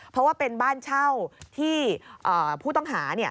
เพราะว่าเป็นบ้านเช่าที่ผู้ต้องหา